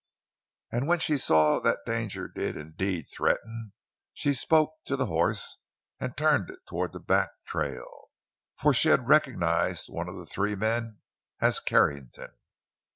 And when she saw that danger did indeed threaten, she spoke to the horse and turned it toward the back trail. For she had recognized one of the three men as Carrington.